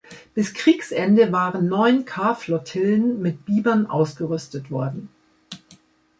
Bis Kriegsende waren neun K-Flottillen mit Bibern ausgerüstet worden.